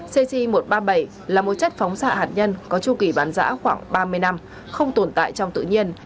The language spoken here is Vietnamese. cc một trăm ba mươi bảy là một chất phóng xạ hạt nhân có chu kỳ bán giã khoảng ba mươi năm không tồn tại trong tự nhiên